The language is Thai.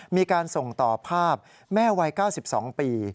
มีการส่งต่อภาพแม่วัย๙๒ปี